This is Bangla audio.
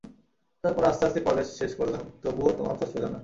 তারপর আস্তে আস্তে কলেজ শেষ করলাম, তবুও তোমার খোঁজ পেলাম না।